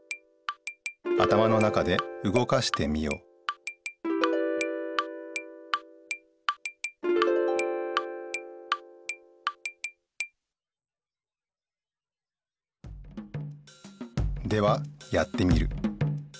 頭の中でうごかしてみよではやってみる。